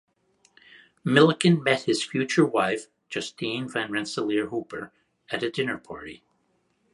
Milliken met his future wife, Justine van Rensselaer Hooper, at a dinner party.